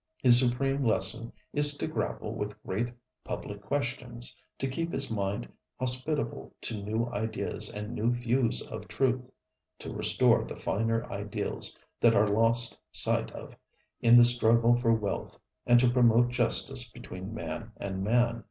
His supreme lesson is to grapple with great public questions, to keep his mind hospitable to new ideas and new views of truth, to restore the finer ideals that are lost sight of in the struggle for wealth and to promote justice between man and man.